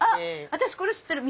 私これ知ってる！